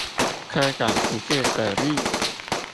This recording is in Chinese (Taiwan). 蚵仔不是蛤蠣